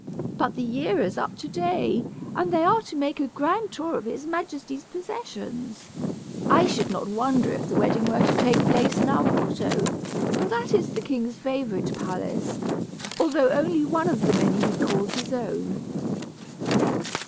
But the year is up to day, and they are to make a grand tour of his majesty's possessions. I should not wonder if the wedding were to take place in our grotto, for that is the king's favorite palace, although only one of the many he calls his own."